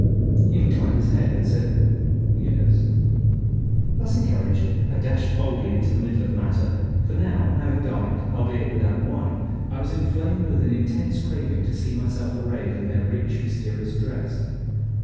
He inclined his head and said, "Yes?" Thus encouraged, I dashed boldly into the middle of matter; for now, having dined, albeit without wine, I was inflamed with an intense craving to see myself arrayed in their rich, mysterious dress.